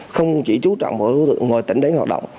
không chỉ chú trọng mọi đối tượng ngoài tỉnh đấy hoạt động